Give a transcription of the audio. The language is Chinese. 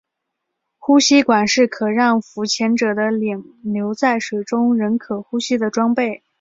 呼吸管是可让浮潜者的脸留在水中仍可呼吸的装备。